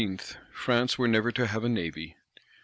"France were never to have a Navy."